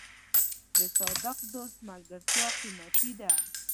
د صادق دوست ملګرتیا قیمتي ده.